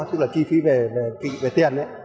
tức là chi phí về tiền ấy